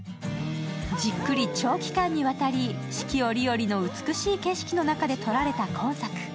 じっくり長期間にわたり四季折々の美しい景色の中で撮られた今作。